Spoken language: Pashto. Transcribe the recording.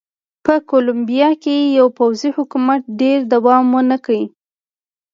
په کولمبیا کې پوځي حکومت ډېر دوام ونه کړ.